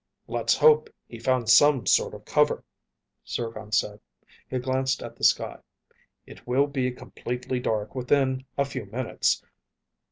"Let's hope he found some sort of cover," Zircon said. He glanced at the sky. "It will be completely dark within a few minutes.